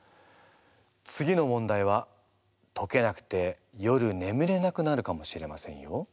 次の問題は解けなくて夜ねむれなくなるかもしれませんよ。